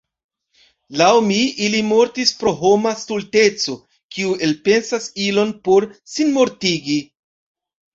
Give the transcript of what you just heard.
Laŭ mi ili mortis pro homa stulteco, kiu elpensas ilojn por sinmortigi.